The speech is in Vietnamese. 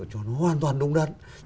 hoàn toàn đúng đắn